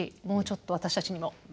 もうちょっと私たちにも。